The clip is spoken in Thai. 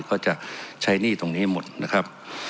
ก็จะใช้หนี้ตรงนี้ให้หมดนะครับ